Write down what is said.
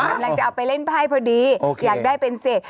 เป็นจำล่างจะเอาไปเล่นไพ่พอดีอยากได้เป็นเศษ